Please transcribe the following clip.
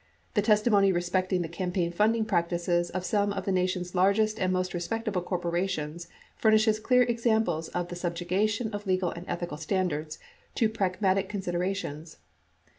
The testimony respecting the campaign funding practices of some of the Nation's largest and most respectable corporations furnishes clear examples of the subjugation of legal and ethical standards to pragmatic con siderations.